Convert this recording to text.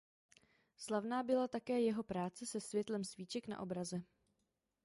Slavná byla také jeho práce se světlem svíček na obraze.